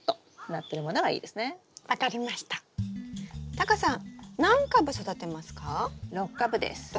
タカさん何株育てますか？